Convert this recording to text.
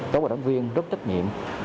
các bảo đảm viên rất trách nhiệm